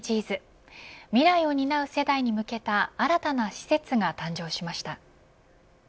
未来を担う世代に向けた新たな施設が誕生しました。